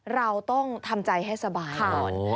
เราต้องทำใจให้สบายก่อน